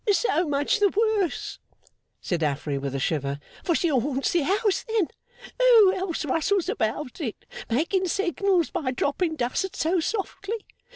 'So much the worse,' said Affery, with a shiver, 'for she haunts the house, then. Who else rustles about it, making signals by dropping dust so softly?